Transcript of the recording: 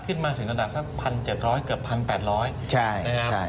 ขึ้นมาถึงระดับสักพันเจ็ดร้อยเกือบพันแปดร้อยใช่ใช่